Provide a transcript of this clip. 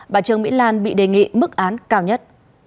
bà trương mỹ lan bị đề nghị mức án cao nhất